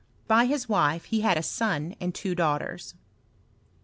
By his ■wife he had a son and two daughters.